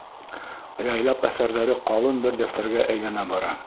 Яйлап әҫәрҙәре ҡалын бер дәфтәргә әйләнә бара.